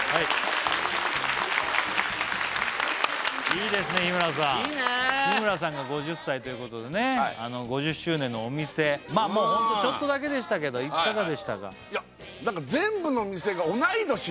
いいですね日村さんいいね日村さんが５０歳ということでね５０周年のお店もう本当ちょっとだけでしたけどいかがでしたか？